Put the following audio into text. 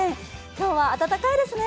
今日は暖かいですね。